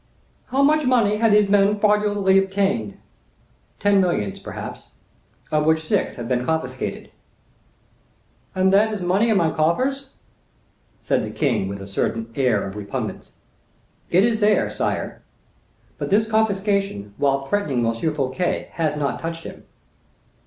"How much money had these men fraudulently obtained?" "Ten millions, perhaps; of which six have been confiscated." "And is that money in my coffers?" said the king with a certain air of repugnance. "It is there, sire; but this confiscation, whilst threatening M. Fouquet, has not touched him."